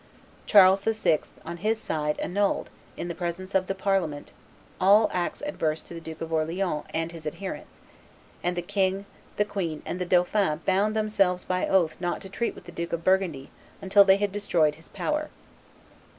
Charles VI., on his side, annulled, in the presence of Parliament, all acts adverse to the Duke of Orleans and his adherents; and the king, the queen, and the dauphin bound themselves by oath not to treat with the duke of Burgundy until they had destroyed his power.